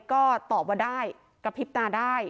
ก็ตอบว่าได้